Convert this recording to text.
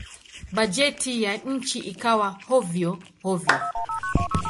Bajeti ya nchi ikawa hovyo-hovyo.